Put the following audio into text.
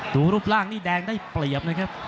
รูปร่างนี่แดงได้เปรียบนะครับ